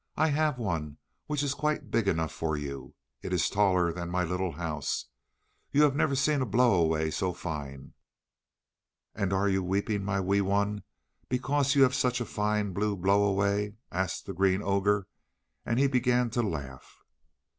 I have one which is quite big enough for you; it is taller than my little house. You have never seen a blow away so fine." "And are you weeping, my Wee Wun, because you have such a fine blue blow away?" asked the Green Ogre, and he began to laugh.